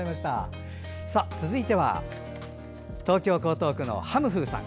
続いては、東京・江東区のはむふーさん。